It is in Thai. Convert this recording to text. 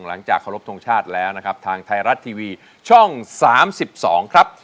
หลังจากเคารพทงชาติแล้วนะครับทางไทยรัฐทีวีช่อง๓๒ครับ